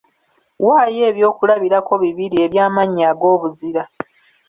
Waayo ebyokulabirako bibiri eby’amannya ag’obuzira.